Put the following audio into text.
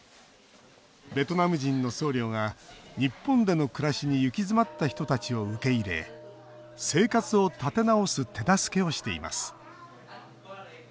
ベトナム人の僧侶が日本での暮らしに行き詰まった人たちを受け入れ生活を立て直す手助けをしています。